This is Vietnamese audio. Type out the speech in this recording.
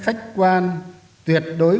khách quan tuyệt đối